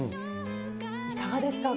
いかがですか。